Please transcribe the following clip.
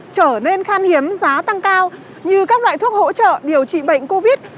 trở nên khan hiếm giá tăng cao như các loại thuốc hỗ trợ điều trị bệnh covid